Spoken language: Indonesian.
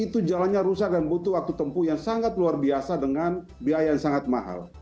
itu jalannya rusak dan butuh waktu tempuh yang sangat luar biasa dengan biaya yang sangat mahal